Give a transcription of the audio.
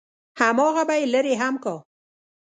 همغه به يې لرې هم کا.